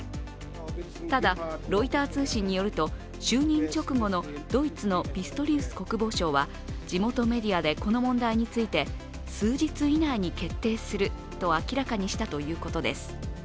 ただ、ロイター通信によると、就任直後のドイツのピストリウス国防相は地元メディアでこの問題について、数日以内に決定すると明らかにしたということです。